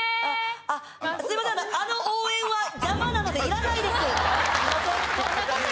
あの応援は。